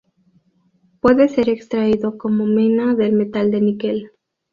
Puede ser extraído como mena del metal de níquel.